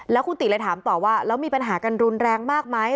แล้วคุณติเลยถามต่อว่าแล้วมีปัญหากันรุนแรงมากไหม